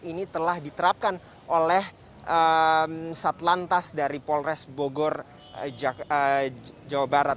ini telah diterapkan oleh satlantas dari polres bogor jawa barat